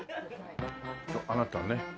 あなたね。